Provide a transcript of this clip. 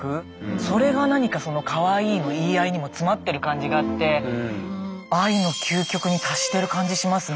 それが何かかわいいの言い合いにも詰まってる感じがあって愛の究極に達してる感じしますね。